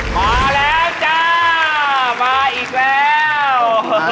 มาแล้วจ้ามาอีกแล้ว